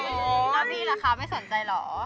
แล้วพี่ล่ะคะไม่สนใจเหรอ